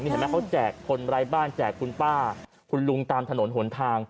เห็นไหมเขาแจกคนไร้บ้านแจกคุณป้าคุณลุงตามถนนหนทาง